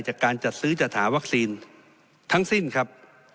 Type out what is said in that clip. จากการจัดซื้อจัดหาวัคซีนทั้งสิ้นครับ